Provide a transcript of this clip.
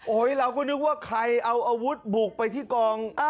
เราก็นึกว่าใครเอาอาวุธบุกไปที่กอง